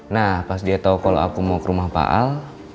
nah pas dia tahu kalau aku mau ke rumah pak al